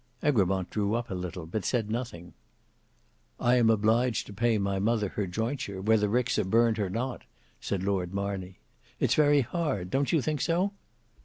Egremont drew up a little, but said nothing. "I am obliged to pay my mother her jointure, whether ricks are burnt or not," said Lord Marney. "It's very hard, don't you think so?"